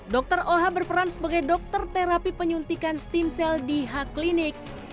dokter oha berperan sebagai dokter terapi penyuntikan stem cell di hak klinik